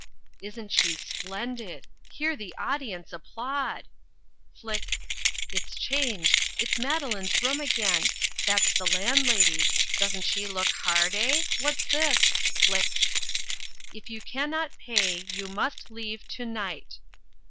Isn't she splendid! Hear the audience applaud! Flick it's changed it's Madeline's room again that's the landlady doesn't she look hard, eh? What's this Flick! "IF YOU CANNOT PAY, YOU MUST LEAVE TO NIGHT."